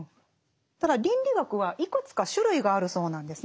ただ倫理学はいくつか種類があるそうなんですね。